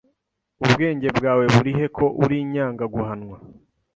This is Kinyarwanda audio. Ubwenge bwawe burihe ko urinyanga guhanwa?